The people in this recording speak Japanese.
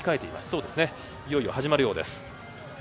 いよいよ始まるようです。